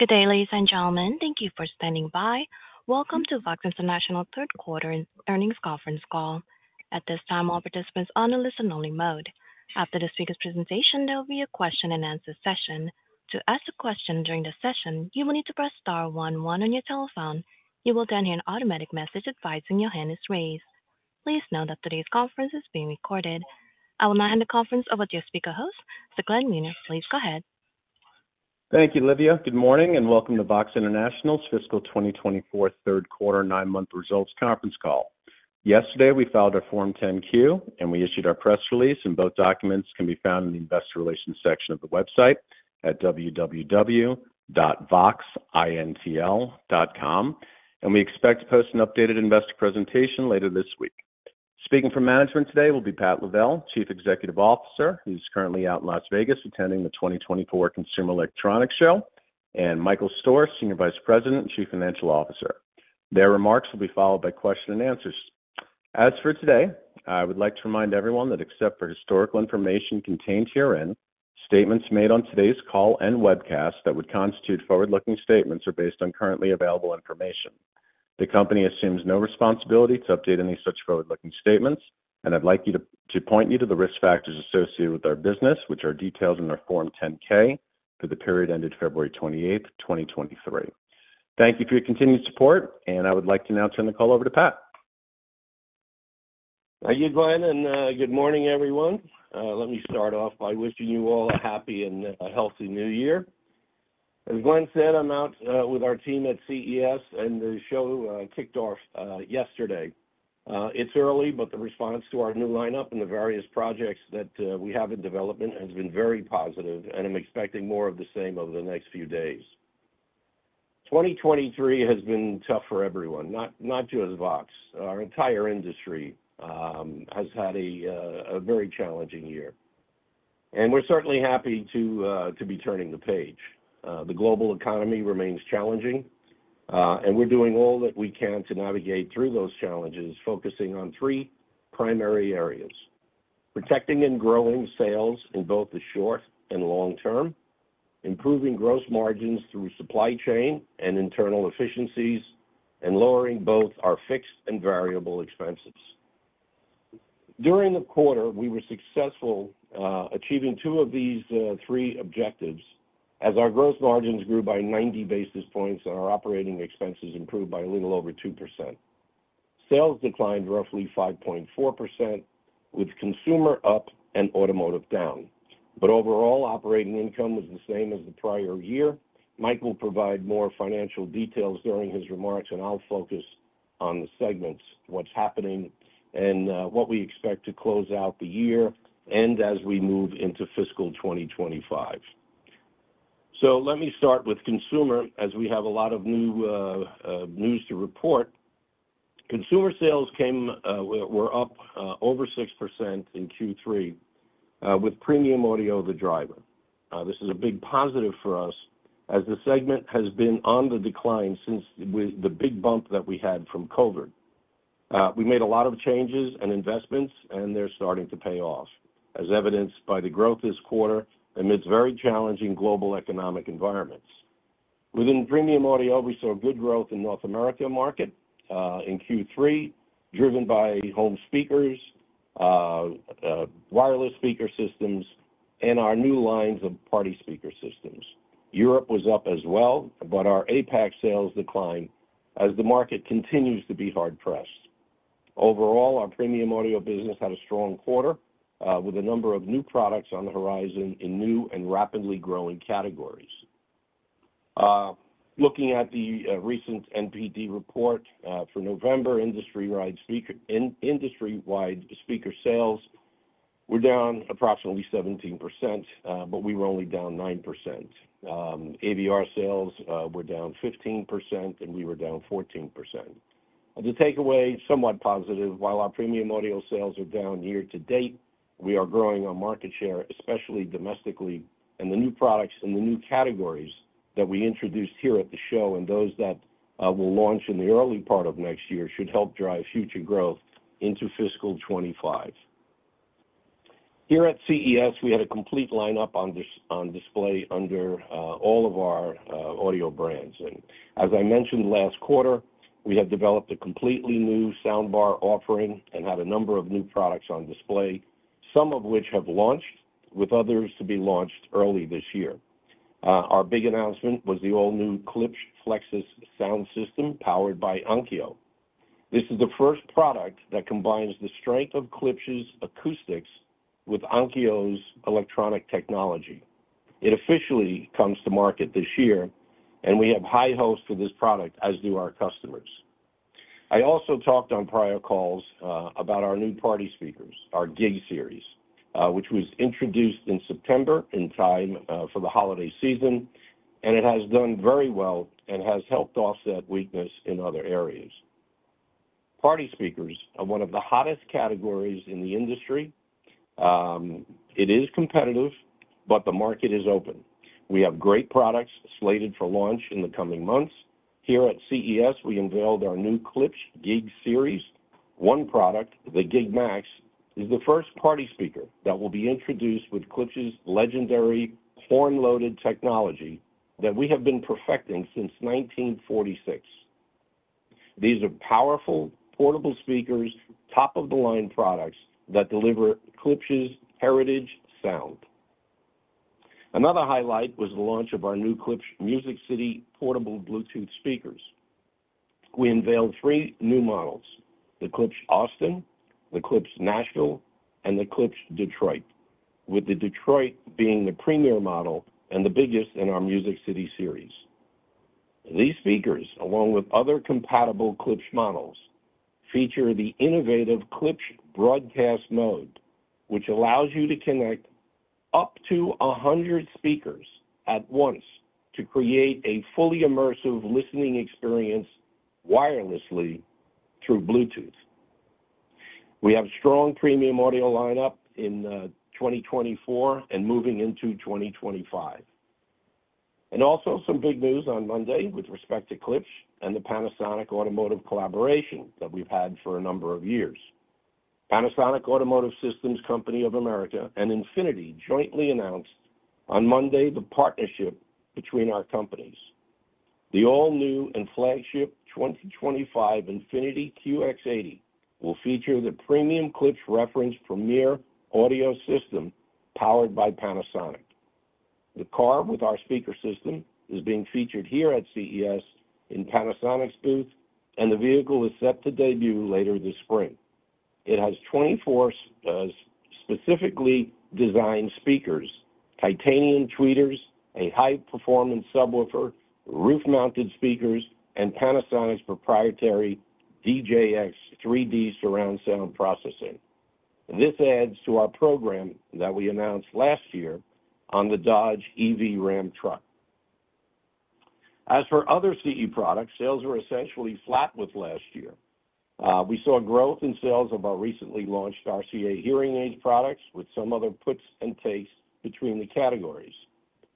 Good day, ladies and gentlemen. Thank you for standing by. Welcome to VOXX International third quarter earnings conference call. At this time, all participants are on a listen-only mode. After the speaker's presentation, there will be a question-and-answer session. To ask a question during the session, you will need to press star one one on your telephone. You will then hear an automatic message advising your hand is raised. Please note that today's conference is being recorded. I will now hand the conference over to your speaker host, so Glenn Wiener, please go ahead. Thank you, Livia. Good morning, and welcome to VOXX International's Fiscal 2024 third quarter, nine-month results conference call. Yesterday, we filed our Form 10-Q, and we issued our press release, and both documents can be found in the Investor Relations section of the website at www.voxxintl.com. We expect to post an updated investor presentation later this week. Speaking from management today will be Pat Lavelle, Chief Executive Officer, who's currently out in Las Vegas attending the 2024 Consumer Electronics Show, and Michael Stoehr, Senior Vice President and Chief Financial Officer. Their remarks will be followed by questions and answers. As for today, I would like to remind everyone that except for historical information contained herein, statements made on today's call and webcast that would constitute forward-looking statements are based on currently available information. The Company assumes no responsibility to update any such forward-looking statements, and I'd like you to point you to the risk factors associated with our business, which are detailed in our Form 10-K for the period ended February 28th, 2023. Thank you for your continued support, and I would like to now turn the call over to Pat. Thank you, Glenn, and good morning, everyone. Let me start off by wishing you all a happy and a healthy new year. As Glenn said, I'm out with our team at CES, and the show kicked off yesterday. It's early, but the response to our new lineup and the various projects that we have in development has been very positive, and I'm expecting more of the same over the next few days. 2023 has been tough for everyone, not just VOXX. Our entire industry has had a very challenging year, and we're certainly happy to be turning the page. The global economy remains challenging, and we're doing all that we can to navigate through those challenges, focusing on three primary areas: protecting and growing sales in both the short and long term, improving gross margins through supply chain and internal efficiencies, and lowering both our fixed and variable expenses. During the quarter, we were successful, achieving two of these three objectives, as our gross margins grew by 90 basis points and our operating expenses improved by a little over 2%. Sales declined roughly 5.4%, with consumer up and automotive down, but overall, operating income was the same as the prior year. Mike will provide more financial details during his remarks, and I'll focus on the segments, what's happening, and what we expect to close out the year and as we move into fiscal 2025. So let me start with consumer, as we have a lot of new news to report. Consumer sales were up over 6% in Q3, with premium audio the driver. This is a big positive for us, as the segment has been on the decline since with the big bump that we had from COVID. We made a lot of changes and investments, and they're starting to pay off, as evidenced by the growth this quarter amidst very challenging global economic environments. Within premium audio, we saw good growth in North America market in Q3, driven by home speakers, wireless speaker systems, and our new lines of party speaker systems. Europe was up as well, but our APAC sales declined as the market continues to be hard pressed. Overall, our premium audio business had a strong quarter with a number of new products on the horizon in new and rapidly growing categories. Looking at the recent NPD report for November, industry-wide speaker sales were down approximately 17%, but we were only down 9%. AVR sales were down 15%, and we were down 14%. The takeaway, somewhat positive, while our premium audio sales are down year to date, we are growing our market share, especially domestically, and the new products and the new categories that we introduced here at the show and those that will launch in the early part of next year, should help drive future growth into fiscal 2025. Here at CES, we had a complete lineup on display under all of our audio brands. As I mentioned last quarter, we have developed a completely new soundbar offering and had a number of new products on display, some of which have launched, with others to be launched early this year. Our big announcement was the all-new Klipsch Flexus Sound System, powered by Onkyo. This is the first product that combines the strength of Klipsch's acoustics with Onkyo's electronic technology. It officially comes to market this year, and we have high hopes for this product, as do our customers. I also talked on prior calls about our new party speakers, our Gig Series, which was introduced in September, in time for the holiday season, and it has done very well and has helped offset weakness in other areas. Party speakers are one of the hottest categories in the industry. It is competitive, but the market is open. We have great products slated for launch in the coming months. Here at CES, we unveiled our new Klipsch Gig Series. One product, the Gig Max, is the first party speaker that will be introduced with Klipsch's legendary horn-loaded technology that we have been perfecting since 1946. These are powerful, portable speakers, top-of-the-line products that deliver Klipsch's heritage sound. Another highlight was the launch of our new Klipsch Music City portable Bluetooth speakers. We unveiled three new models, the Klipsch Austin, the Klipsch Nashville, and the Klipsch Detroit, with the Detroit being the premier model and the biggest in our Music City series. These speakers, along with other compatible Klipsch models, feature the innovative Klipsch Broadcast Mode, which allows you to connect up to 100 speakers at once to create a fully immersive listening experience wirelessly through Bluetooth. We have strong premium audio lineup in 2024 and moving into 2025. Also some big news on Monday with respect to Klipsch and the Panasonic Automotive collaboration that we've had for a number of years. Panasonic Automotive Systems Company of America and INFINITI jointly announced on Monday the partnership between our companies. The all-new and flagship 2025 INFINITI QX80 will feature the premium Klipsch Reference Premiere Audio System powered by Panasonic. The car with our speaker system is being featured here at CES in Panasonic's booth, and the vehicle is set to debut later this spring. It has 24 specifically designed speakers, titanium tweeters, a high-performance subwoofer, roof-mounted speakers, and Panasonic's proprietary DJX 3D Surround Sound processing. This adds to our program that we announced last year on the Dodge EV Ram truck. As for other CE products, sales were essentially flat with last year. We saw growth in sales of our recently launched RCA hearing aid products, with some other puts and takes between the categories.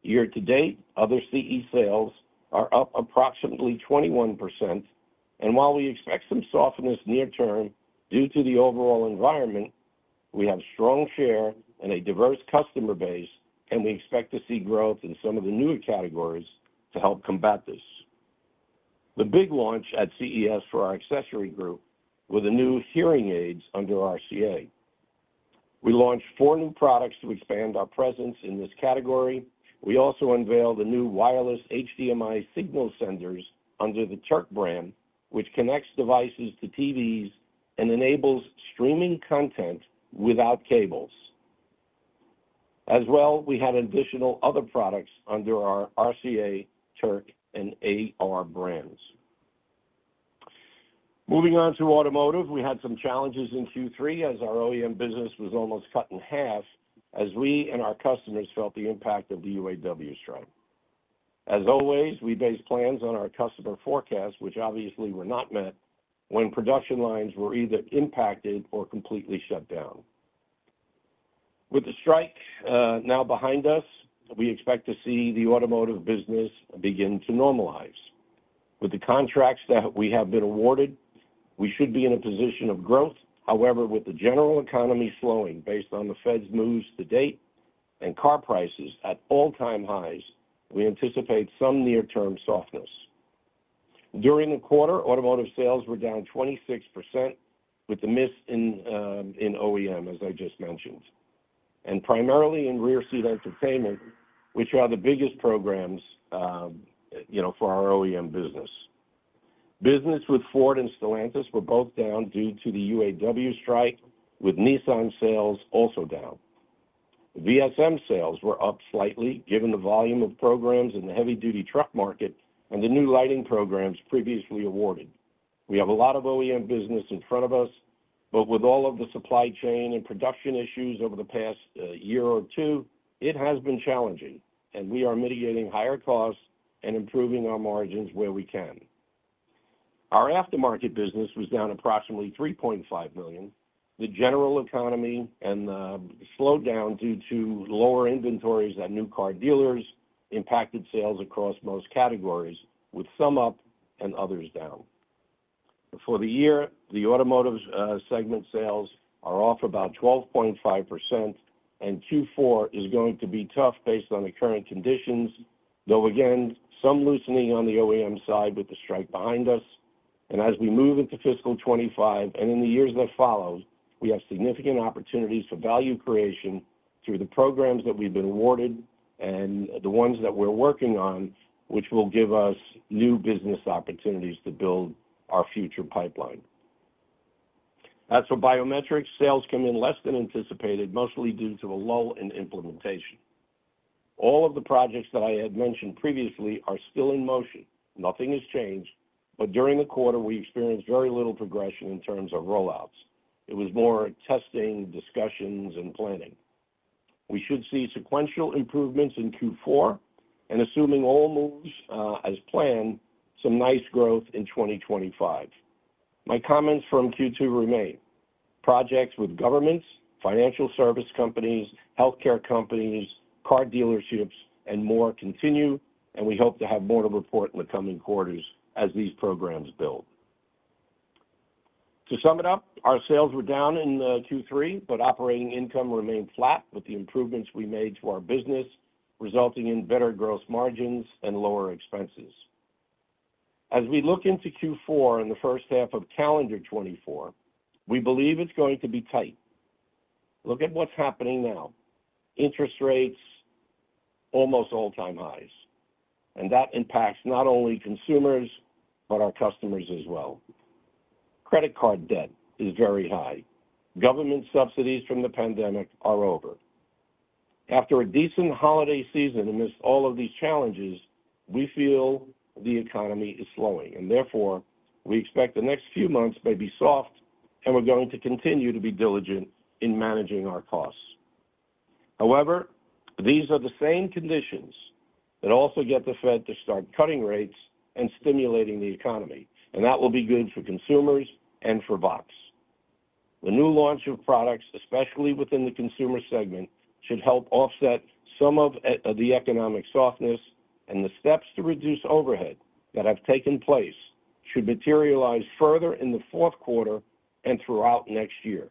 Year-to-date, other CE sales are up approximately 21%, and while we expect some softness near-term due to the overall environment, we have strong share and a diverse customer base, and we expect to see growth in some of the newer categories to help combat this. The big launch at CES for our accessory group were the new hearing aids under RCA. We launched four new products to expand our presence in this category. We also unveiled the new wireless HDMI signal senders under the Terk brand, which connects devices to TVs and enables streaming content without cables. As well, we had additional other products under our RCA, Terk, and AR brands. Moving on to automotive, we had some challenges in Q3 as our OEM business was almost cut in half as we and our customers felt the impact of the UAW strike. As always, we base plans on our customer forecasts, which obviously were not met when production lines were either impacted or completely shut down. With the strike now behind us, we expect to see the automotive business begin to normalize. With the contracts that we have been awarded, we should be in a position of growth. However, with the general economy slowing based on the Fed's moves to date and car prices at all-time highs, we anticipate some near-term softness. During the quarter, automotive sales were down 26%, with the miss in in OEM, as I just mentioned, and primarily in rear seat entertainment, which are the biggest programs, you know, for our OEM business. Business with Ford and Stellantis were both down due to the UAW strike, with Nissan sales also down. VSM sales were up slightly, given the volume of programs in the heavy-duty truck market and the new lighting programs previously awarded. We have a lot of OEM business in front of us, but with all of the supply chain and production issues over the past year or two, it has been challenging, and we are mitigating higher costs and improving our margins where we can. Our aftermarket business was down approximately $3.5 million. The general economy and the slowdown due to lower inventories at new car dealers impacted sales across most categories, with some up and others down. For the year, the automotive segment sales are off about 12.5%, and Q4 is going to be tough based on the current conditions, though again, some loosening on the OEM side with the strike behind us. And as we move into fiscal 2025 and in the years that follow, we have significant opportunities for value creation through the programs that we've been awarded and the ones that we're working on, which will give us new business opportunities to build our future pipeline. As for biometrics, sales came in less than anticipated, mostly due to a lull in implementation. All of the projects that I had mentioned previously are still in motion. Nothing has changed, but during the quarter, we experienced very little progression in terms of rollouts. It was more testing, discussions, and planning. We should see sequential improvements in Q4, and assuming all moves as planned, some nice growth in 2025. My comments from Q2 remain. Projects with governments, financial service companies, healthcare companies, car dealerships, and more continue, and we hope to have more to report in the coming quarters as these programs build. To sum it up, our sales were down in Q3, but operating income remained flat with the improvements we made to our business, resulting in better gross margins and lower expenses. As we look into Q4 and the first half of calendar 2024, we believe it's going to be tight. Look at what's happening now. Interest rates, almost all-time highs, and that impacts not only consumers, but our customers as well. Credit card debt is very high. Government subsidies from the pandemic are over. After a decent holiday season amidst all of these challenges, we feel the economy is slowing, and therefore, we expect the next few months may be soft, and we're going to continue to be diligent in managing our costs. However, these are the same conditions that also get the Fed to start cutting rates and stimulating the economy, and that will be good for consumers and for VOXX. The new launch of products, especially within the consumer segment, should help offset some of the economic softness, and the steps to reduce overhead that have taken place should materialize further in the fourth quarter and throughout next year.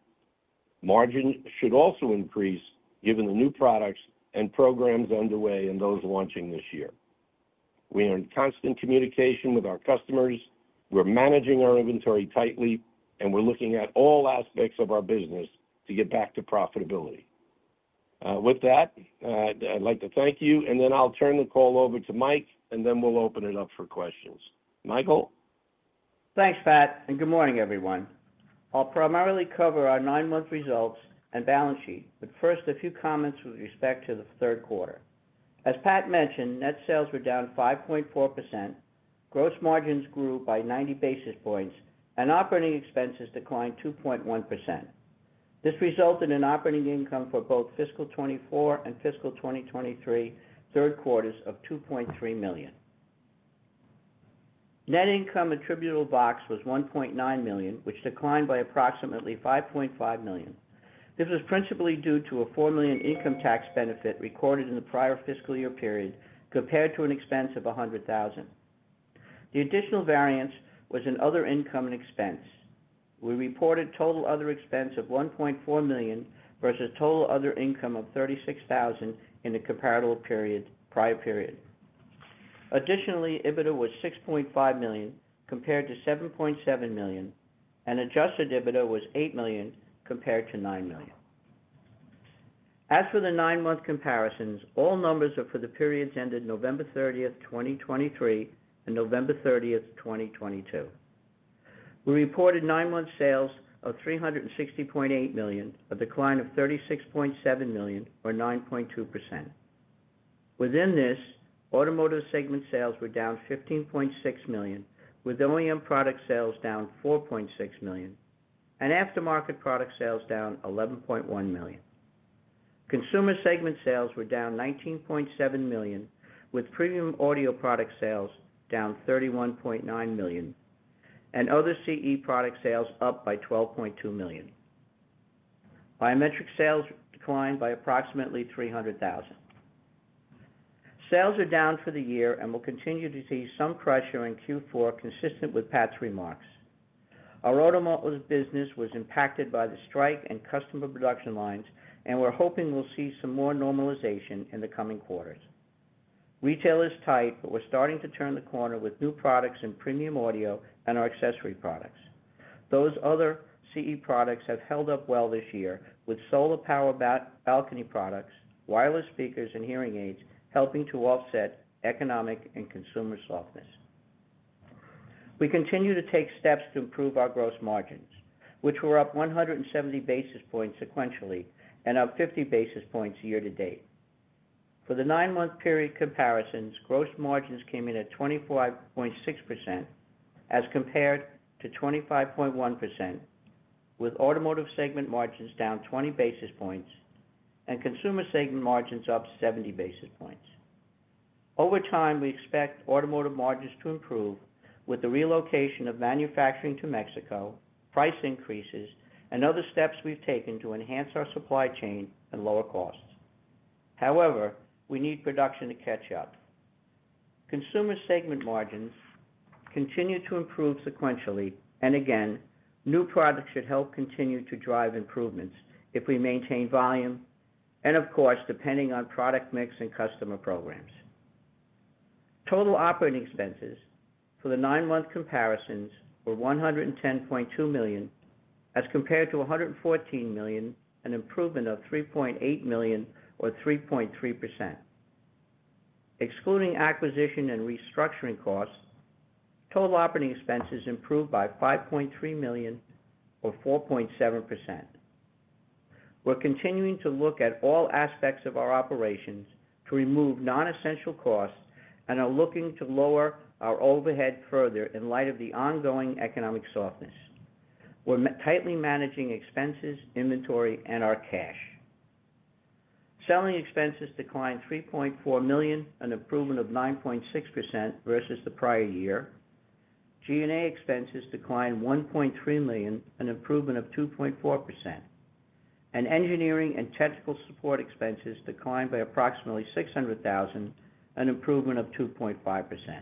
Margins should also increase, given the new products and programs underway and those launching this year. We are in constant communication with our customers, we're managing our inventory tightly, and we're looking at all aspects of our business to get back to profitability. With that, I'd like to thank you, and then I'll turn the call over to Mike, and then we'll open it up for questions. Michael? Thanks, Pat, and good morning, everyone. I'll primarily cover our nine-month results and balance sheet, but first, a few comments with respect to the third quarter. As Pat mentioned, net sales were down 5.4%, gross margins grew by 90 basis points, and operating expenses declined 2.1%. This resulted in operating income for both fiscal 2024 and fiscal 2023 third quarters of $2.3 million. Net income attributable to VOXX was $1.9 million, which declined by approximately $5.5 million. This was principally due to a $4 million income tax benefit recorded in the prior fiscal year period, compared to an expense of $100,000. The additional variance was in other income and expense. We reported total other expense of $1.4 million, versus total other income of $36,000 in the comparable prior period. Additionally, EBITDA was $6.5 million, compared to $7.7 million, and adjusted EBITDA was $8 million, compared to $9 million. As for the nine-month comparisons, all numbers are for the periods ended November 30, 2023, and November 30, 2022. We reported nine-month sales of $360.8 million, a decline of $36.7 million, or 9.2%. Within this, automotive segment sales were down $15.6 million, with OEM product sales down $4.6 million, and aftermarket product sales down $11.1 million. Consumer segment sales were down $19.7 million, with premium audio product sales down $31.9 million, and other CE product sales up by $12.2 million. Biometric sales declined by approximately $300,000. Sales are down for the year and will continue to see some pressure in Q4, consistent with Pat's remarks. Our automotive business was impacted by the strike and customer production lines, and we're hoping we'll see some more normalization in the coming quarters. Retail is tight, but we're starting to turn the corner with new products in premium audio and our accessory products. Those other CE products have held up well this year, with solar-powered balcony products, wireless speakers, and hearing aids helping to offset economic and consumer softness. We continue to take steps to improve our gross margins, which were up 170 basis points sequentially and up 50 basis points year-to-date. For the nine-month period comparisons, gross margins came in at 24.6%, as compared to 25.1%, with automotive segment margins down 20 basis points and consumer segment margins up 70 basis points. Over time, we expect automotive margins to improve with the relocation of manufacturing to Mexico, price increases, and other steps we've taken to enhance our supply chain and lower costs. However, we need production to catch up. Consumer segment margins continue to improve sequentially, and again, new products should help continue to drive improvements if we maintain volume, and of course, depending on product mix and customer programs. Total operating expenses for the nine-month comparisons were $110.2 million, as compared to $114 million, an improvement of $3.8 million, or 3.3%. Excluding acquisition and restructuring costs, total operating expenses improved by $5.3 million, or 4.7%. We're continuing to look at all aspects of our operations to remove non-essential costs and are looking to lower our overhead further in light of the ongoing economic softness. We're tightly managing expenses, inventory, and our cash. Selling expenses declined $3.4 million, an improvement of 9.6% versus the prior year. G&A expenses declined $1.3 million, an improvement of 2.4%, and engineering and technical support expenses declined by approximately $600,000, an improvement of 2.5%.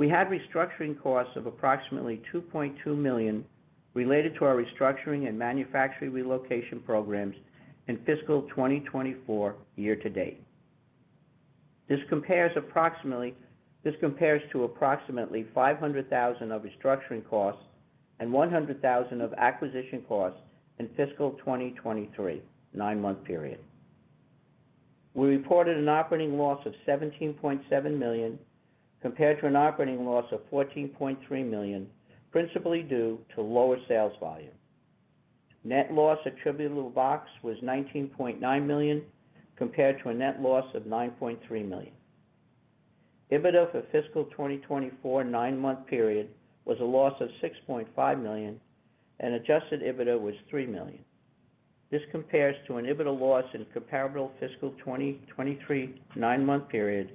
We had restructuring costs of approximately $2.2 million related to our restructuring and manufacturing relocation programs in fiscal 2024, year to date. This compares to approximately $500,000 of restructuring costs and $100,000 of acquisition costs in fiscal 2023 nine-month period. We reported an operating loss of $17.7 million, compared to an operating loss of $14.3 million, principally due to lower sales volume. Net loss attributable to VOXX was $19.9 million, compared to a net loss of $9.3 million. EBITDA for fiscal 2024 nine-month period was a loss of $6.5 million, and adjusted EBITDA was $3 million. This compares to an EBITDA loss in comparable fiscal 2023 nine-month period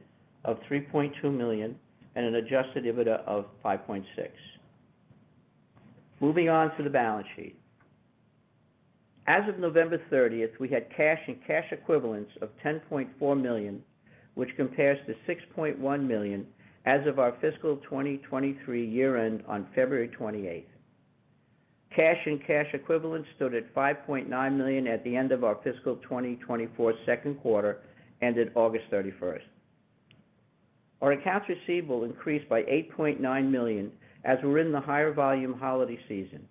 of $3.2 million and an adjusted EBITDA of $5.6 million. Moving on to the balance sheet. As of November 30, we had cash and cash equivalents of $10.4 million, which compares to $6.1 million as of our fiscal 2023 year-end on February 28. Cash and cash equivalents stood at $5.9 million at the end of our fiscal 2024 second quarter, ended August 31. Our accounts receivable increased by $8.9 million, as we're in the higher volume holiday season.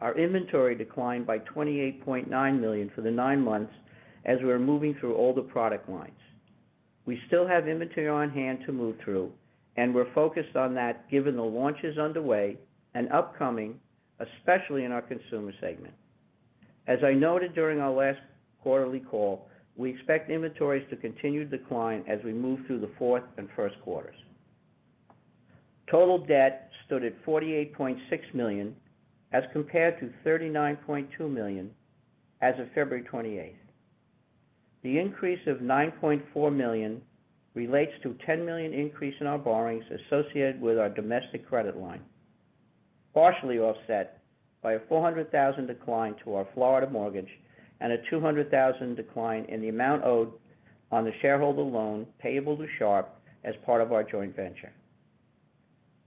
Our inventory declined by $28.9 million for the nine months as we are moving through older product lines. We still have inventory on hand to move through, and we're focused on that given the launches underway and upcoming, especially in our consumer segment. As I noted during our last quarterly call, we expect inventories to continue to decline as we move through the fourth and first quarters. Total debt stood at $48.6 million, as compared to $39.2 million as of February 28. The increase of $9.4 million relates to $10 million increase in our borrowings associated with our domestic credit line, partially offset by a $400,000 decline to our Florida mortgage and a $200,000 decline in the amount owed on the shareholder loan payable to Sharp as part of our joint venture.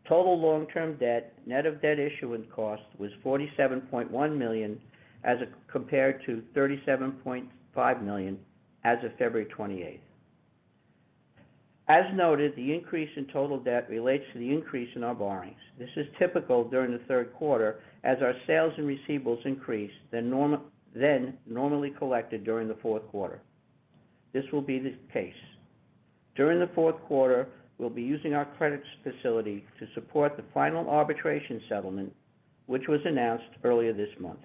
Total long-term debt, net of debt issuance costs, was $47.1 million as compared to $37.5 million as of February 28. As noted, the increase in total debt relates to the increase in our borrowings. This is typical during the third quarter, as our sales and receivables increase, then normally collected during the fourth quarter. This will be the case. During the fourth quarter, we'll be using our credit facility to support the final arbitration settlement, which was announced earlier this month.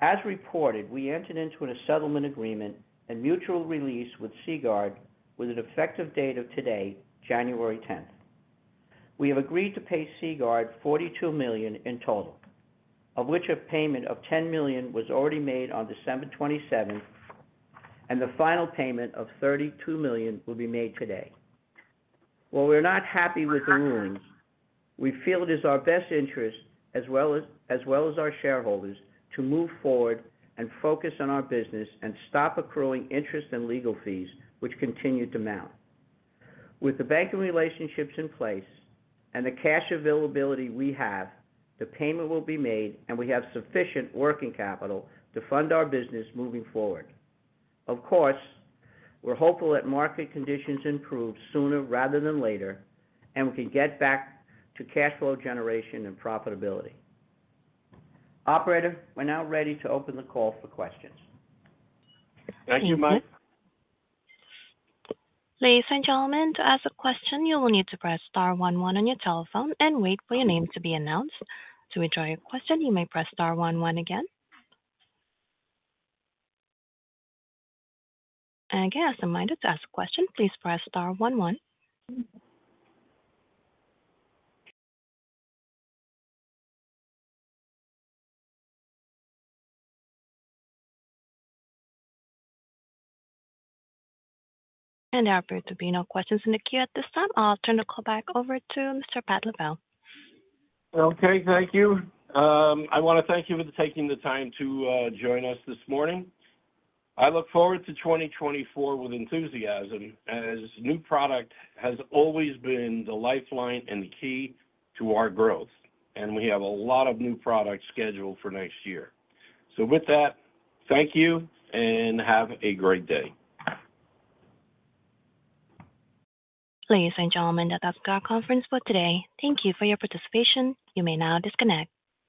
As reported, we entered into a settlement agreement and mutual release with Seaguard, with an effective date of today, January 10. We have agreed to pay Seaguard $42 million in total, of which a payment of $10 million was already made on December 27, and the final payment of $32 million will be made today. While we're not happy with the rulings, we feel it is our best interest, as well as our shareholders, to move forward and focus on our business and stop accruing interest and legal fees, which continued to mount. With the banking relationships in place and the cash availability we have, the payment will be made, and we have sufficient working capital to fund our business moving forward. Of course, we're hopeful that market conditions improve sooner rather than later, and we can get back to cash flow generation and profitability. Operator, we're now ready to open the call for questions. Thank you, Mike. Ladies and gentlemen, to ask a question, you will need to press star one one on your telephone and wait for your name to be announced. To withdraw your question, you may press star one one again. Again, as a reminder, to ask a question, please press star one one. There appear to be no questions in the queue at this time. I'll turn the call back over to Mr. Pat Lavelle. Okay, thank you. I wanna thank you for taking the time to join us this morning. I look forward to 2024 with enthusiasm, as new product has always been the lifeline and the key to our growth, and we have a lot of new products scheduled for next year. So with that, thank you, and have a great day. Ladies and gentlemen, that does conclude our conference for today. Thank you for your participation. You may now disconnect.